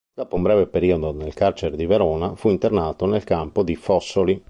Dopo un breve periodo nel carcere di Verona fu internato nel campo di Fossoli.